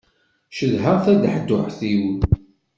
Cedhaɣ tadaḥduḥt-iw.